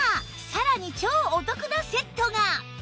さらに超お得なセットが！